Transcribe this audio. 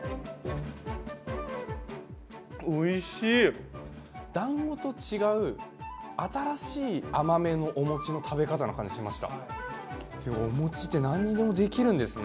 おいしい、団子と違う新しい甘めのお餅の食べ方の感じがしました。